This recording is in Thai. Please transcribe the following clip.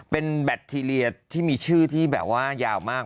เป็นแบคทีเรียที่มีชื่อที่แบบว่ายาวมาก